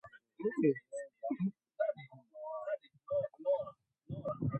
Maafisa wa idara ya utawala wa mikoa hapa Mombasa wametoa ilani ya siku tano